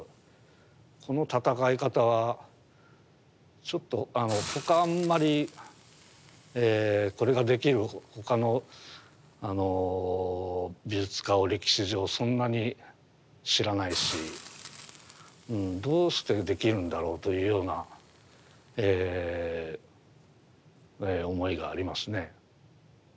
この戦い方はちょっと他あんまりこれができる他の美術家を歴史上そんなに知らないしどうしてできるんだろうというような思いがありますね。